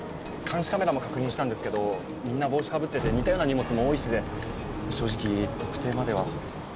監視カメラも確認したんですけどみんな帽子かぶってて似たような荷物も多いしで正直特定までは。